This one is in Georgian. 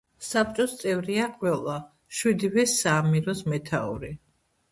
საბჭოს წევრია ყველა, შვიდივე საამიროს მეთაური.